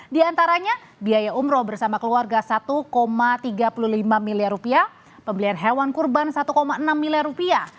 di antaranya biaya umroh bersama keluarga satu tiga puluh lima miliar rupiah pembelian hewan kurban satu enam miliar rupiah